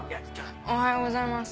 おはようございます。